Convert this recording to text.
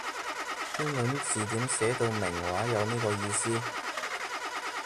邊本字典寫到明話有呢個意思？